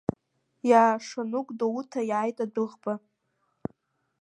Иаашоны Гәдоуҭа иааит адәыӷба.